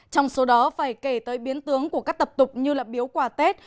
trong số đó phải kể tới biến tướng của các tập tục như là biếu quả tết